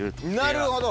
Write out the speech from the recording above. なるほど。